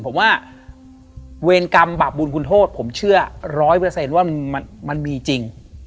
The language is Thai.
ผมว่าเวรกรรมบาปบูลคุณโทษผมเชื่อร้อยเปอร์เซ็นต์ว่ามันมีจริง